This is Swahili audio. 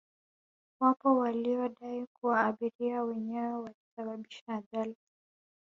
wapo waliodai kuwa abiria wenyewe walisababisha ajali